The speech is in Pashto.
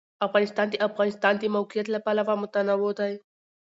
افغانستان د د افغانستان د موقعیت له پلوه متنوع دی.